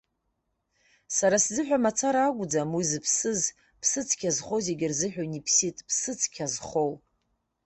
Сара сзыҳәан мацара акәӡам уи зыԥсыз, ԥсыцқьа зхоу зегьы рзыҳәан иԥсит, ԥсыцкьа зхоу!